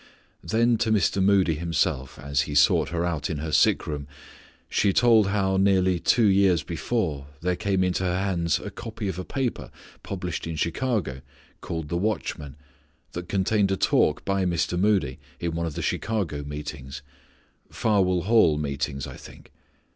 Then to Mr. Moody himself, as he sought her out in her sick room, she told how nearly two years before there came into her hands a copy of a paper published in Chicago called the Watchman that contained a talk by Mr. Moody in one of the Chicago meetings, Farwell Hall meetings, I think.